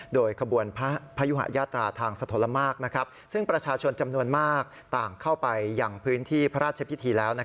โดยขบวนพยุหะยาตราทางสะทนละมากซึ่งประชาชนจำนวนมากต่างเข้าไปอย่างพื้นที่พระราชพิธีแล้ว